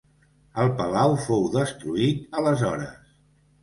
El palau fou destruït aleshores.